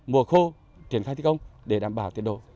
mùa khô triển khai thi công để đảm bảo tiến độ